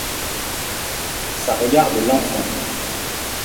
Ça regarde l’enfant.